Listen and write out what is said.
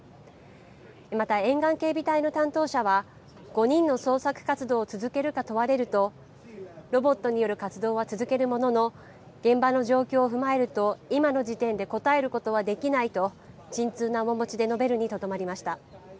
また沿岸警備隊の担当者は、５人の捜索活動を続けるか問われると、ロボットによる活動は続けるものの、現場の状況を踏まえると、今の時点で答えることはできないと、沈痛な面持ちで述べるにとどまりました。